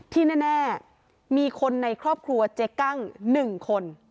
ที่แน่มีคนในครอบครัวเจ๊กั้ง๑คน